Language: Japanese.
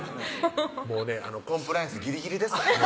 もうねコンプライアンスギリギリです